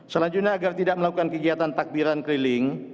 selanjutnya agar tidak melakukan kegiatan takbiran keliling